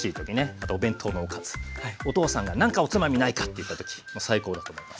あとお弁当のおかずお父さんが「なんかおつまみないか」と言った時もう最高だと思います。